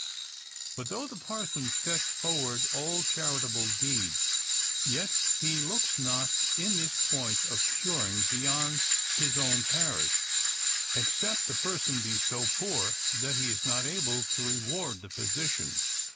— But though the parson sets forward all charitable deeds, yet he looks not in this point of curing beyond his own parish ; except the person be so poor, that he is not able to reward the physician.